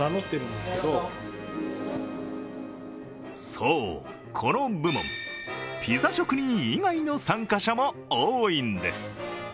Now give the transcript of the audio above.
そう、この部門、ピザ職人以外の参加者も多いんです。